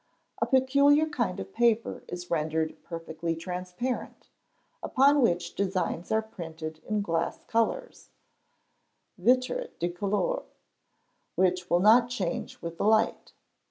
A peculiar kind of paper is rendered perfectly transparent, upon which designs are printed in glass colours (vitre de couleurs), which will not change with the light.